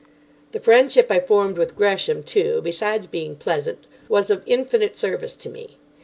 The friendship I formed with Gresham too, besides being pleasant, was of infinite service to me.